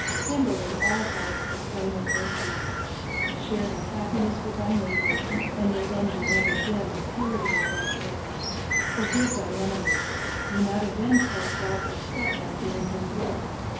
Kindle in all hearts the flame of virtue. Share thy happiness with thy neighbor, and may envy never dim the purity of that bliss. Forgive thy enemy, do not avenge thyself except by doing him good.